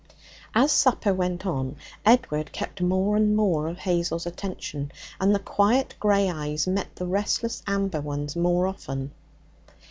As supper went on Edward kept more and more of Hazel's attention, and the quiet grey eyes met the restless amber ones more often.